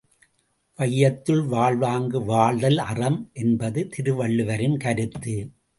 வையத்துள் வாழ்வாங்கு வாழ்தல் அறம் என்பது திருவள்ளுவரின் கருத்து.